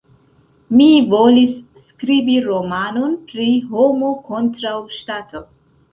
Mi volis skribi romanon pri Homo kontraŭ Ŝtato.